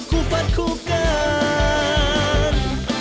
คู่ฟัดคู่กัน